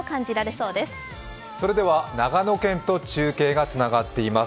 それでは長野県と中継がつながっています。